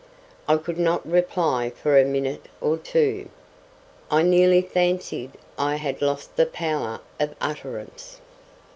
I could not reply for a minute or two. I nearly fancied I had lost the power of utterance.